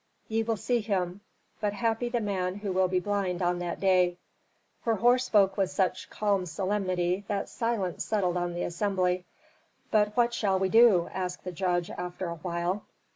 "Ye will see him. But happy the man who will be blind on that day." Herhor spoke with such calm solemnity that silence settled on the assembly. "But what shall we do?" asked the judge after a while.